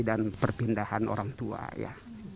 dan perpindahan orang tua ya